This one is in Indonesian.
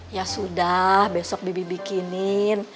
ya sudah besok bibi bikinin